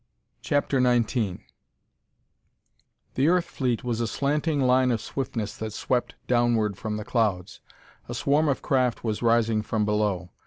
CHAPTER XIX The Earth fleet was a slanting line of swiftness that swept downward from the clouds. A swarm of craft was rising from below.